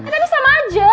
eh tapi sama aja